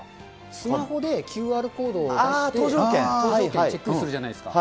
スマホでＱＲコードを出して、搭乗券、チェックするじゃないですか。